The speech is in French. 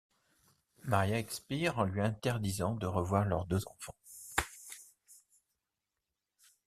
Maria expire en lui interdisant de revoir leurs deux enfants.